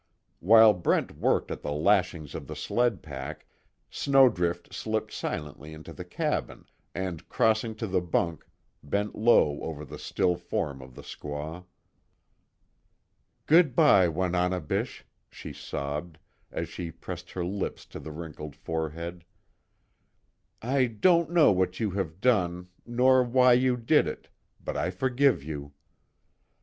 While Brent worked at the lashings of the sled pack, Snowdrift slipped silently into the cabin and, crossing to the bunk, bent low over the still form of the squaw: "Good by, Wananebish," she sobbed, as she pressed her lips to the wrinkled forehead, "I don't know what you have done nor why you did it but, I forgive you."